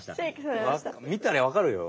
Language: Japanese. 見たらわかるよ。